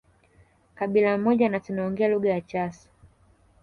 Kabila moja na tunaoongea lugha ya Chasu